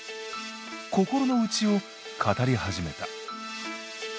心の内を語り始めた。